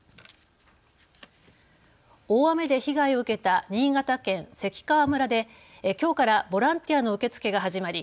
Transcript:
大雨で被害を受けた新潟県関川村できょうからボランティアの受け付けが始まり